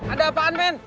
ada apaan men